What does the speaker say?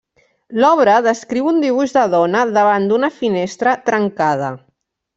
L'obra descriu un dibuix de dona davant d'una finestra trencada.